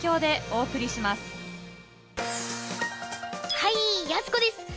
はいやす子です。